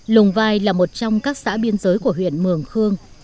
lùng vai là một trong các xã biên giới của huyện mường khương